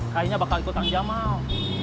kayaknya bakal ikut kang jamal